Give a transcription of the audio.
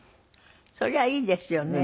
そりゃいいですよね。